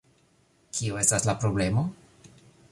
Kio estas la problemo?